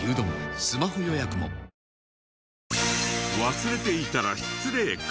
忘れていたら失礼かも。